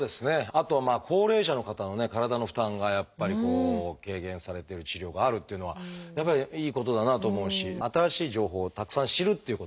あとは高齢者の方のね体の負担がやっぱりこう軽減されてる治療があるっていうのはやっぱりいいことだなと思うし新しい情報をたくさん知るっていうこともね